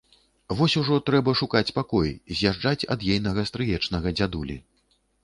Вось ужо трэба шукаць пакой, з'язджаць ад ейнага стрыечнага дзядулі.